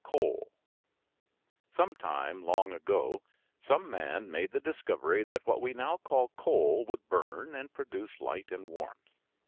COAL. Some time, long ago, some man made the discovery that what we now call coal would burn and produce light and warmth.